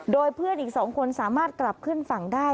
โดยเพื่อนอีก๒คนสามารถกลับขึ้นฝั่งได้